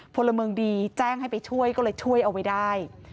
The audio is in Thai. พลเมืองดีแจ้งให้ไปช่วยก็เลยช่วยเอาไว้ได้